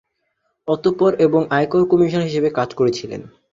অতঃপর এবং আয়কর কমিশনার হিসেবে কাজ করেছিলেন।